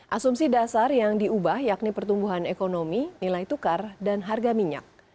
asumsi dasar yang diubah yakni pertumbuhan ekonomi nilai tukar dan harga minyak